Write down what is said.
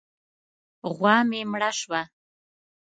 غوا مې مړه شوه.